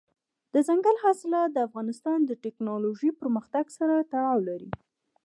دځنګل حاصلات د افغانستان د تکنالوژۍ پرمختګ سره تړاو لري.